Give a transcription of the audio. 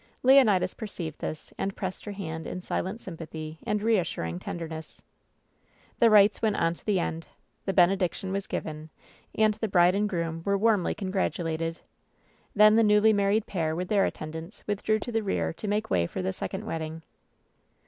Leonidas perceived this, and pressed her hand in silent sympathy and reassuring tenderness. The rites went on to the end. The benediction was given, and the bride and groom were warmly congratu lated. Then the newly married pair, with their attendants, withdrew to the rear to make way for the second wed ding.